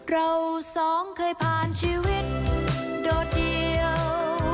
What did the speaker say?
เราสองเคยผ่านชีวิตโดดเดียว